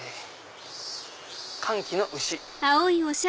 「歓喜の牛」。